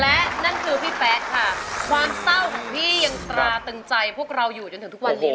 และนั่นคือพี่แป๊ะค่ะความเศร้าของพี่ยังตราตึงใจพวกเราอยู่จนถึงทุกวันนี้